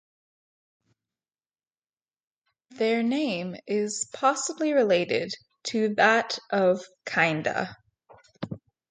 Their name is possibly related to that of Kinda.